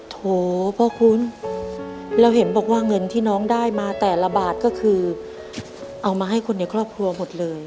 โถพ่อคุณแล้วเห็นบอกว่าเงินที่น้องได้มาแต่ละบาทก็คือเอามาให้คนในครอบครัวหมดเลย